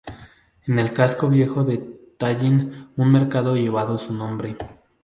En el casco viejo de Tallin un mercado llevado su nombre.